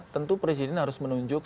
tentu presiden harus menunjuk